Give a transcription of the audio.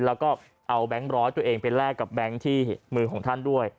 แล้วก็เอาแบงค์ร้อยตัวเองไปแลกกับแบงค์ที่มือของท่านด้วย